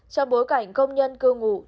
trong bối cảnh công nhân cư ngụ